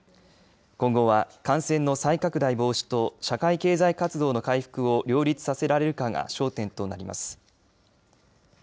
今後は感染の再拡大防止と社会経済活動の回復を両立させられるかが焦点となります。